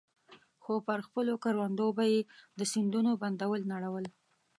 خو پر خپلو کروندو به يې د سيندونو بندونه نړول.